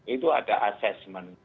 itu ada assessment